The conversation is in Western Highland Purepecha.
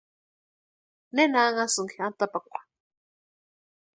¿Nena anhasïnki atapakwa?